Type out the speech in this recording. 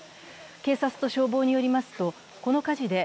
警察と消防によりますと、この火事で、